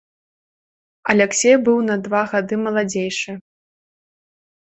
Аляксей быў на два гады маладзейшы.